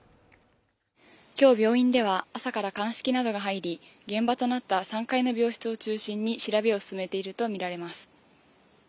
今日病院では朝から鑑識などが入り現場となった３階の病室を中心に調べを進めていると見られます